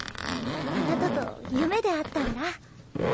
あなたと夢で会ったんだ。